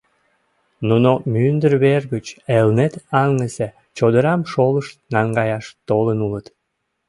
Нуно мӱндыр вер гыч Элнет аҥысе чодырам шолышт наҥгаяш толын улыт.